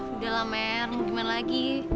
udah lah mer gimana lagi